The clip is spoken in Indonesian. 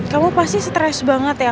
kamu pasti stres banget ya